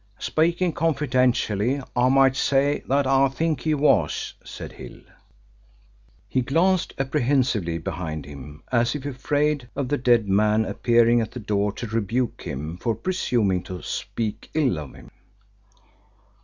"Speaking confidentially, I might say that I think he was," said Hill. He glanced apprehensively behind him as if afraid of the dead man appearing at the door to rebuke him for presuming to speak ill of him.